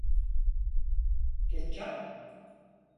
Ketçap?